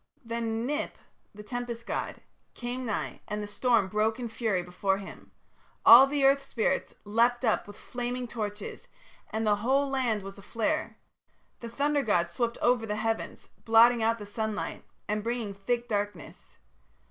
"Then Ninip, the tempest god, came nigh, and the storm broke in fury before him. All the earth spirits leapt up with flaming torches and the whole land was aflare. The thunder god swept over the heavens, blotting out the sunlight and bringing thick darkness.